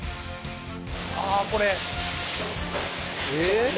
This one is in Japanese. ああこれ。